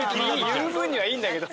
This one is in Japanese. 言う分にはいいんだけど。